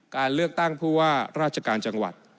การเลือกตั้งผู้ว่าราชการจังหวัด